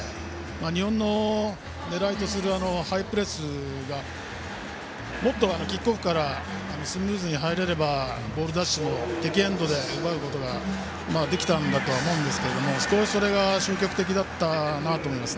日本の狙いとするハイプレスがもっとキックオフからスムーズに入れればボール奪取も敵エンドで奪うことができたんだとは思うんですが少し消極的だったと思います。